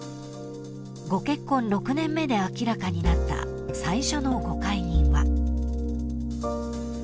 ［ご結婚６年目で明らかになった最初のご懐妊は］